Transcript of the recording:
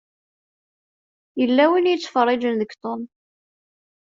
Yella win i yettfeṛṛiǧen deg Tom.